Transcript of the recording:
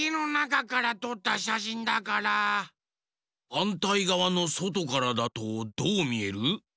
はんたいがわのそとからだとどうみえる？